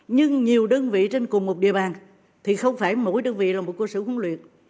nhưng nhiều đơn vị trên cùng một địa bàn thì không phải mỗi đơn vị là một cơ sở huấn luyện